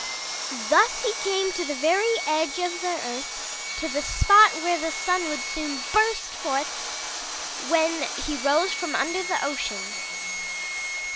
Thus he came to the very edge of the earth, to the spot where the Sun would soon burst forth when he rose from under the ocean.